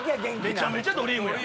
めちゃめちゃドリームや。